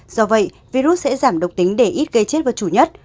do vậy virus sẽ giảm độc tính để ít gây chết và chủ nhất